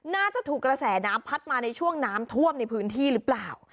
น่าจะถูกกระแสน้ำพัดมาในช่วงน้ำท่วมในพื้นที่หรือเปล่า